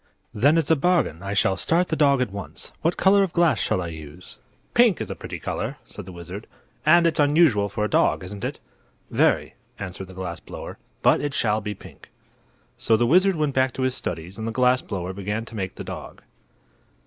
"Then it's a bargain. I'll start the dog at once. What color of glass shall I use?" "Pink is a pretty color," said the wizard, "and it's unusual for a dog, isn't it?" "Very," answered the glass blower; "but it shall be pink." So the wizard went back to his studies and the glass blower began to make the dog.